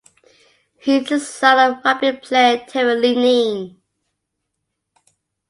He is the son of rugby player Terry Lineen.